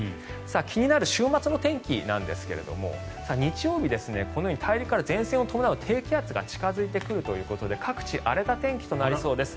気になる週末の天気なんですが日曜日大陸から前線を伴う低気圧が近付いてくるということで各地荒れた天気となりそうです。